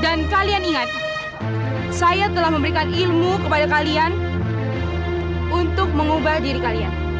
dan kalian ingat saya telah memberikan ilmu kepada kalian untuk mengubah diri kalian